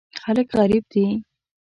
خلک غریب دي.